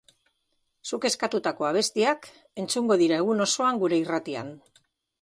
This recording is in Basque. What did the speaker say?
Zuk eskatutako abestiak entzungo dira egun osoan gure irratian.